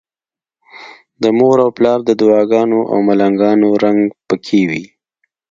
د مور او پلار د دعاګانو او ملنګانو رنګ پکې وي.